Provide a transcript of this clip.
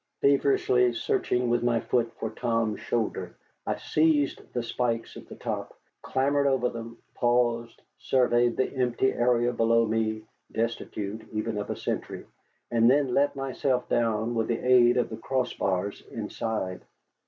Feverishly searching with my foot for Tom's shoulder, I seized the spikes at the top, clambered over them, paused, surveyed the empty area below me, destitute even of a sentry, and then let myself down with the aid of the cross bars inside.